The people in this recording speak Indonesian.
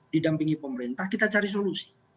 didampingi pemerintah kita cari solusi